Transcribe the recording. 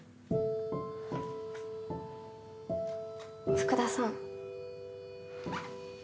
福田さん。